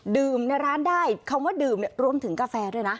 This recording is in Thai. ในร้านได้คำว่าดื่มเนี่ยรวมถึงกาแฟด้วยนะ